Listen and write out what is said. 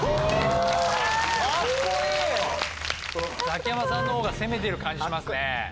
ザキヤマさんのほうが攻めてる感じしますね。